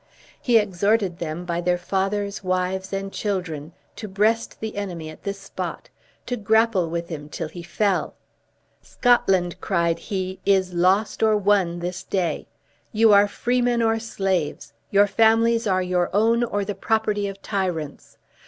He exhorted them, by their fathers, wives, and children, to breast the enemy at this spot; to grapple with him till he fell. "Scotland," cried he, "is lost or won, this day. You are freemen or slaves; your families are your own, or the property of tyrants!